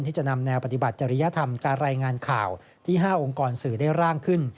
ที่จะนำแนวปฏิบัติจริยธรรมการรายงานข่าวที่๕องค์กรสื่อได้ร่างขึ้น